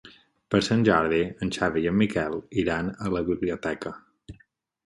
Per Sant Jordi en Xavi i en Miquel iran a la biblioteca.